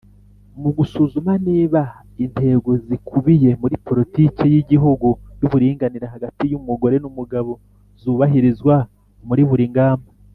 mu gusuzuma niba intego zikubiye muri politiki y'igihugu y'uburinganire hagati y'umugore n'umugabo zubahirizwa muri buri ngamba.